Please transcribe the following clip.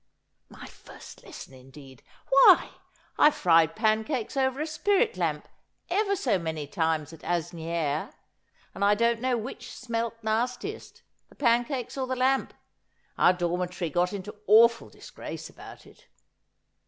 ' My first lesson, indeed ! Why, I fried pancakes over a spirit lamp ever so many times at Asnieres ; and I don't know which smelt nastiest, the pancakes or the lamp. Our dormitory got into awful disgrace about it.'